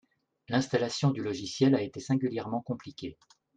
L'installation du logiciel a été singulièrement compliquée